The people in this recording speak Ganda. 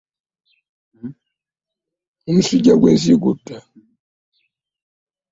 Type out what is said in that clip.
Omusuja gwe nsiri gutta.